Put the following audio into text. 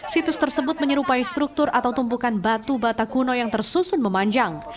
situs tersebut menyerupai struktur atau tumpukan batu bata kuno yang tersusun memanjang